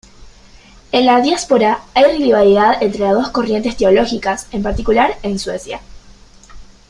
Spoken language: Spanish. En la diáspora hay rivalidad entre las dos corrientes teológica, en particular en Suecia.